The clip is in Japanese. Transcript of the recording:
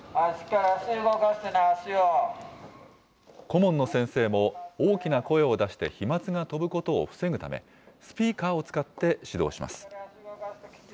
顧問の先生も、大きな声を出して飛まつが飛ぶことを防ぐため、スピーカーを使って指導します。